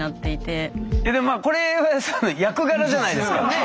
でもまあコレ役柄じゃないですか。